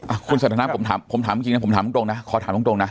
อ่ะคุณสันทนาผมถามผมถามจริงนะผมถามตรงนะขอถามตรงตรงนะ